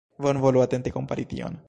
Bonvolu atente kompari tion.